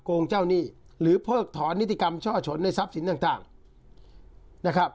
งเจ้าหนี้หรือเพิกถอนนิติกรรมช่อฉนในทรัพย์สินต่างนะครับ